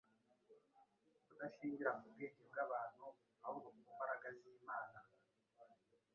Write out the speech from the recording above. kudashingira ku bwenge bw’abantu, ahubwo ku mbaraga z’Imana”